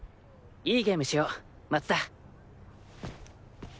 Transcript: いいゲームしよう松田。